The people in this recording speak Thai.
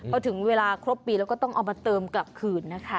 พอถึงเวลาครบปีแล้วก็ต้องเอามาเติมกลับคืนนะคะ